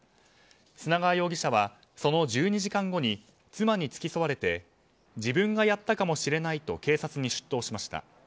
砂川容疑者はその１２時間後に妻に付き添われて自分がやったかもしれないと警察に出頭しました。